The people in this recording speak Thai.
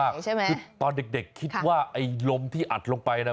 คือตอนเด็กคิดว่าไอ้ลมที่อัดลงไปนะ